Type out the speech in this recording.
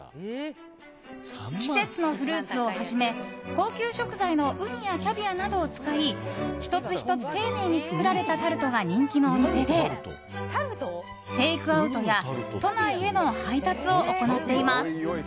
季節のフルーツをはじめ高級食材のウニやキャビアなどを使い１つ１つ丁寧に作られたタルトが人気のお店でテイクアウトや都内への配達を行っています。